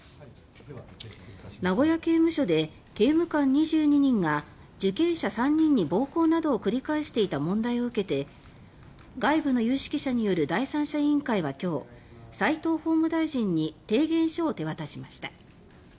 名古屋刑務所で刑務官２２人が受刑者３人に暴行などを繰り返していた問題を受けて外部の有識者による第三者委員会は今日斎藤法務大臣に提言書を手渡しました。